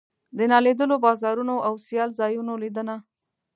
د نالیدلو بازارونو او سیال ځایونو لیدنه.